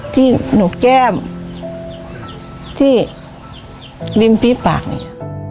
ที่หนูกแก้มที่ริมปี๊บปากเนี่ย